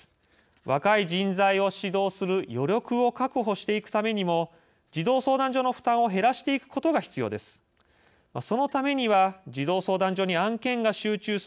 若い人材を指導する余力を確保していくためにも児童相談所の負担を減らしていくことが必要です。